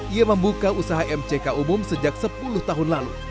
ia membuka usaha mck umum sejak sepuluh tahun lalu